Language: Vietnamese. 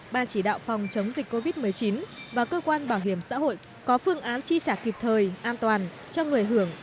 ban chỉ đạo phòng chống dịch covid một mươi chín và cơ quan bảo hiểm xã hội có phương án chi trả kịp thời an toàn cho người hưởng